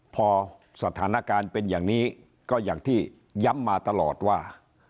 พอสถานการณ์เป็นอย่างนี้ก็อย่างที่ย้ำมาตลอดว่า